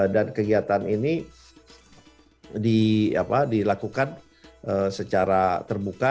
dan kegiatan ini dilakukan secara terbuka